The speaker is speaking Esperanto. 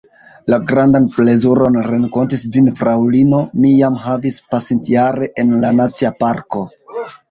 La grandan plezuron renkonti vin, fraŭlino, mi jam havis pasintjare en la Nacia Parko.